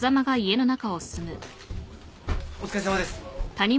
お疲れさまです。